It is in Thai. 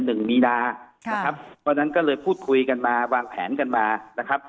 หนึ่งมีนานะครับเพราะฉะนั้นก็เลยพูดคุยกันมาวางแผนกันมานะครับ